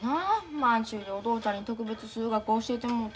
満州でお父ちゃんに特別数学教えてもろて。